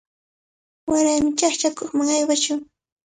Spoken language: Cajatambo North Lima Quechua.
Warami chaqchakuqman aywashun.